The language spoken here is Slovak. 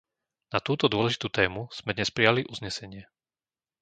Na túto dôležitú tému sme dnes prijali uznesenie.